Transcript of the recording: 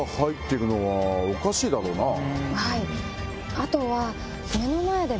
あとは。